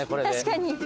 確かに。